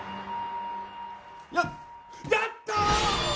よっやった！